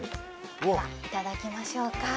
いただきましょうか。